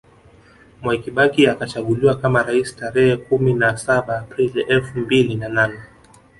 Mwai Kibaki akachaguliwa kama rais Tarehe kumi na saba Aprili elfu mbili na nane